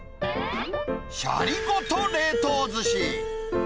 シャリごと冷凍ずし。